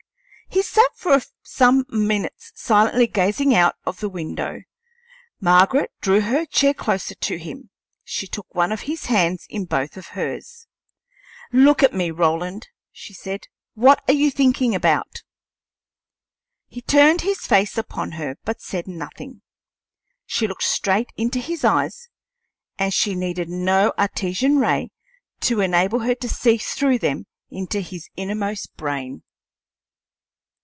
He sat for some minutes silently gazing out of the window. Margaret drew her chair closer to him. She took one of his hands in both of hers. "Look at me, Roland!" she said. "What are you thinking about?" He turned his face upon her, but said nothing. She looked straight into his eyes, and she needed no Artesian ray to enable her to see through them into his innermost brain.